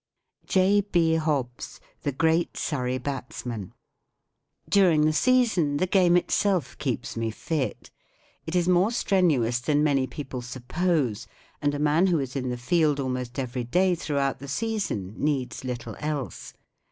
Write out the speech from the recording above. X B. HOBBS. The Greet Surrey Batsman During the season the game itself keeps me fit. It is more strenuous than many people suppose* and a man who is in the field almost every day throughout the season needs little else.